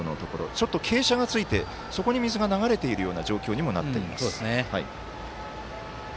ちょっと傾斜がついてそこに水が流れている状況にもなっています。